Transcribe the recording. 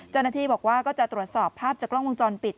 เจ้าหน้าที่บอกว่าก็จะตรวจสอบภาพจากกล้องวงจรปิด